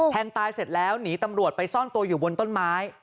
แทงตายเสร็จแล้วหนีตำรวจไปซ่อนตัวอยู่บนต้นไม้